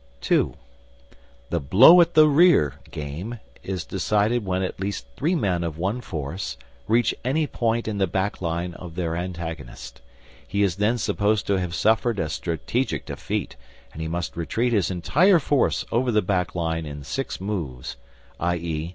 (2) The Blow at the Rear game is decided when at least three men of one force reach any point in the back line of their antagonist. He is then supposed to have suffered a strategic defeat, and he must retreat his entire force over the back line in six moves, i.e.